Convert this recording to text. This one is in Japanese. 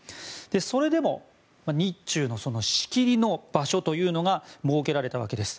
それでも日中の仕切りの場所というのが設けられたわけです。